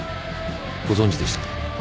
ご存じでしたか？